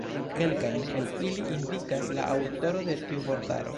Kelkajn el ili indikas la aŭtoro de tiu vortaro.